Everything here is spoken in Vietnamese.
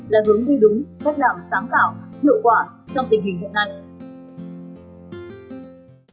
để hướng đi đúng cách làm sáng khảo hiệu quả trong tình hình hiện nay